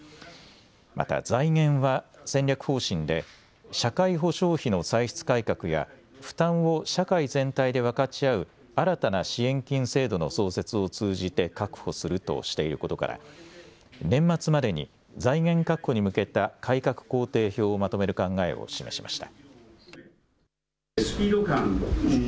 また財源は戦略方針で社会保障費の歳出改革や負担を社会全体で分かち合う新たな支援金制度の創設を通じて確保するとしていることから年末までに財源確保に向けた改革工程表をまとめる考えを示しました。